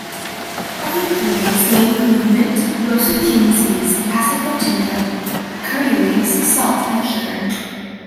Other ingredients may include mint, roasted cumin seeds, asafoetida, curry leaves, salt and sugar.